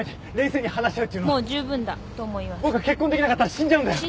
僕は結婚できなかったら死んじゃうんだよ。